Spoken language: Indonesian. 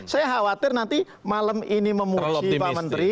saya khawatir nanti malam ini memuji pak menteri